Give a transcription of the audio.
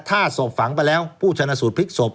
ธาตุสบฝังไปแล้วผู้ชนะสูดพริกสบ